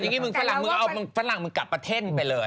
โอ้อย่างนี้ฝรั่งวิ่งเอาฝรั่งคลักประเทศไปเลย